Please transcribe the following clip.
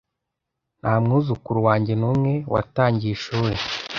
Nta mwuzukuru wanjye n'umwe watangiye ishuri.